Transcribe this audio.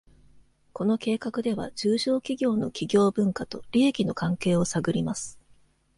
この計画では、中小規模の企業文化と利益の関係を探ります。